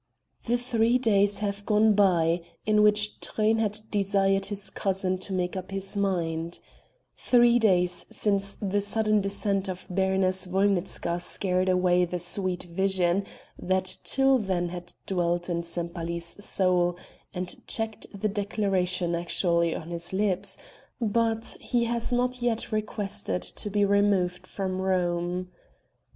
The three days have gone by in which Truyn had desired his cousin to make up his mind three days since the sudden descent of Baroness Wolnitzka scared away the sweet vision that till then had dwelt in Sempaly's soul and checked the declaration actually on his lips but he has not yet requested to be removed from Rome.